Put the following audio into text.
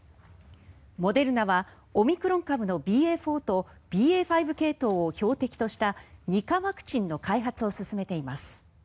モデルナはオミクロン株のＢＡ．４とＢＡ．５系統を標的とした２価ワクチンの開発を進めています。